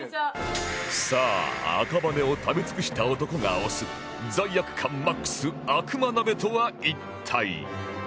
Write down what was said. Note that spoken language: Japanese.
さあ赤羽を食べ尽くした男が推す罪悪感 ＭＡＸ 悪魔鍋とは一体？